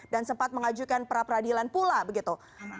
dan sempat mengajukan peradilan pula begitu